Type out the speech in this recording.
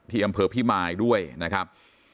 ที่อำเภอพิมาอีกด้วยนะครับ